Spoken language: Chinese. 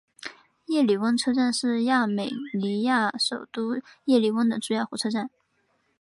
叶里温车站是亚美尼亚首都叶里温的主要火车站。